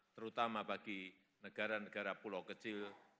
terutama bagi negara negara pulau kecil